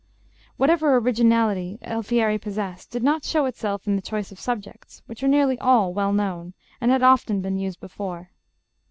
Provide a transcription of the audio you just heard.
Whatever originality Alfieri possessed did not show itself in the choice of subjects, which are nearly all well known and had often been used before.